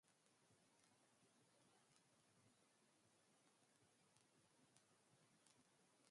The rolling stock was transferred to Chiltern Railways.